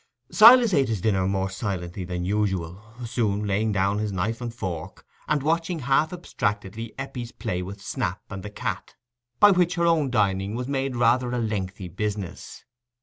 Silas ate his dinner more silently than usual, soon laying down his knife and fork, and watching half abstractedly Eppie's play with Snap and the cat, by which her own dining was made rather a lengthy business.